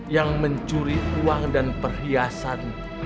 yang mencuri uang dan perhiasan